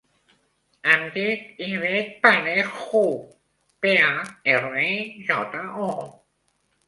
Em dic Ivette Parejo: pe, a, erra, e, jota, o.